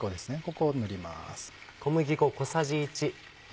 ここを塗ります。